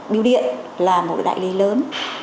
điều điện là một đại lý lớn